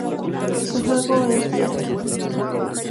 Su juego es diestro.